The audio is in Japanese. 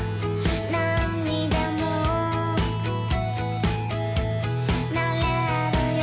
「何にでもなれるよ」